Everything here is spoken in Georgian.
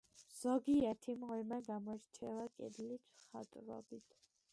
ზოგიერთი მღვიმე გამოირჩევა კედლის მხატვრობით.